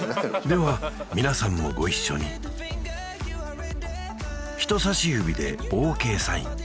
では皆さんもご一緒に人差し指でＯＫサイン